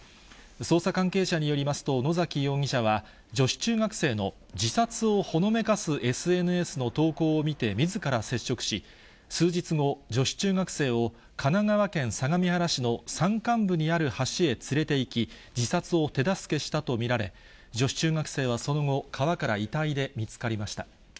捜査関係者によりますと、野崎容疑者は、女子中学生の自殺をほのめかすＳＮＳの投稿を見てみずから接触し、数日後、女子中学生を神奈川県相模原市の山間部にある橋へ連れていき、自殺を手助けしたと見られ、女子中学生はその後、川から遺体で見つかりました。